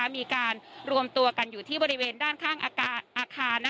มีการรวมตัวกันอยู่ที่บริเวณด้านข้างอาคาร